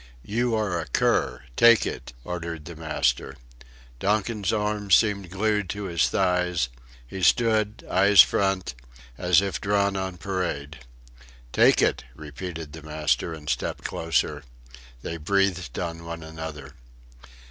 "You are a cur. Take it," ordered the master. Donkin's arms seemed glued to his thighs; he stood, eyes front, as if drawn on parade. "Take it," repeated the master, and stepped closer; they breathed on one another.